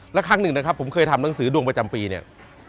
แล้วครั้งหนึ่งนะครับผมเคยทำหนังสือดวงประจำปีเนี่ย